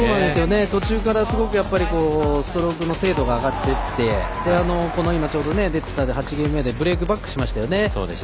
途中からすごくやっぱりストロークの精度が上がっていって８ゲーム目でブレークバックしましたよね。